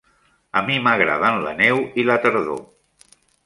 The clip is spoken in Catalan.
A mi m'agraden la neu i la tardor.